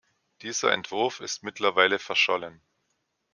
Dieser Entwurf ist mittlerweile verschollen.